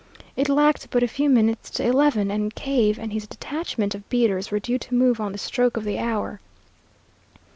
It lacked but a few minutes to eleven, and Cave and his detachment of beaters were due to move on the stroke of the hour.